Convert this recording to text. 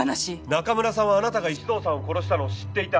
中村さんはあなたが石堂さんを殺したのを知っていた。